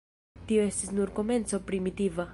Tio estis nur komenco primitiva.